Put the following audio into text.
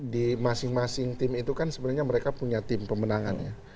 di masing masing tim itu kan sebenarnya mereka punya tim pemenangannya